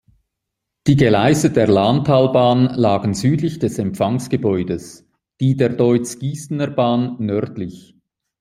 Die Gleise der Lahntalbahn lagen südlich des Empfangsgebäudes, die der Deutz-Giessener Bahn nördlich.